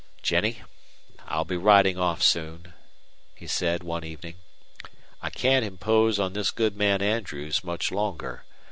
"Jennie, I'll be riding off soon," he said, one evening. "I can't impose on this good man Andrews much longer.